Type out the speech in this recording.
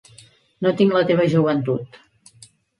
No tinc la teva joventut.